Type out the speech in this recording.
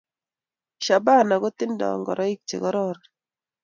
Shabana kotindo ngoraiki che kararan